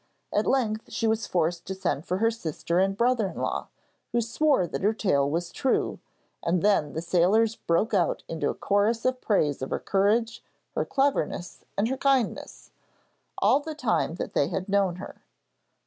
At length she was forced to send for her sister and brother in law, who swore that her tale was true, and then the sailors broke out into a chorus of praise of her courage, her cleverness, and her kindness, all the time that they had known her.